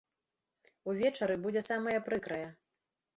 Увечары будзе самае прыкрае.